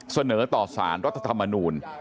เสนอต่อสารรัฐธรรมนูล